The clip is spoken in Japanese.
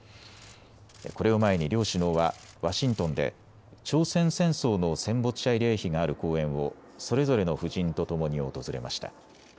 これを前に両首脳はワシントンで朝鮮戦争の戦没者慰霊碑がある公園をそれぞれの夫人と共に訪れました。